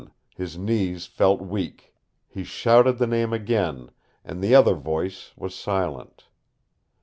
His knees felt weak. He shouted the name again, and the other voice was silent.